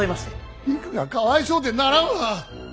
りくがかわいそうでならんわ。